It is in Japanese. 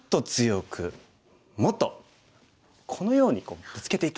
もっとこのようにブツケていく。